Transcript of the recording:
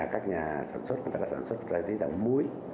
các nhà sản xuất sản xuất ra dưới dòng muối